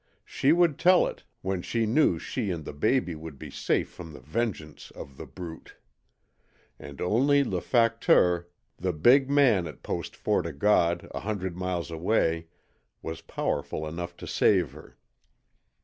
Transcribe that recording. She would tell it, when she knew she and the baby would be safe from the vengeance of the Brute. And only LE FACTEUR the Big Man at Post Fort O' God a hundred miles away was powerful enough to save her.